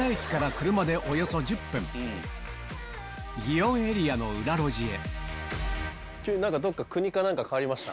園エリアの裏路地へ